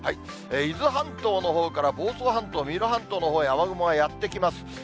伊豆半島のほうから房総半島、三浦半島のほうへ雨雲がやって来ます。